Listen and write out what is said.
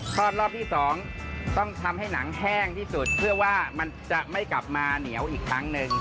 อดรอบที่๒ต้องทำให้หนังแห้งที่สุดเพื่อว่ามันจะไม่กลับมาเหนียวอีกครั้งหนึ่ง